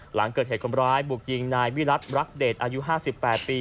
หลังเกิดเหตุคนร้ายบุกยิงนายวิรัติรักเดชอายุ๕๘ปี